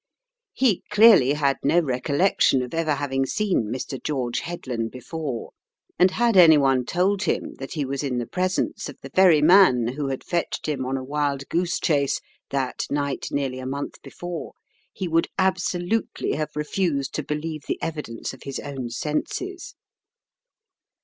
He clearly had no recollection of ever having seen Mr. George Headland before, and had any one told him that he was in the presence of the very man who had fetched him on a wild goose chase that night nearly a month before, he would absolutely have re fused to believe the evidence of his own senses.